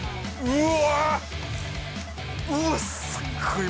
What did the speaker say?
うわ、すごい！